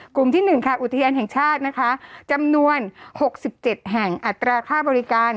กลุ่มที่๑ค่ะอุทยานแห่งชาตินะคะจำนวน๖๗แห่งอัตราค่าบริการ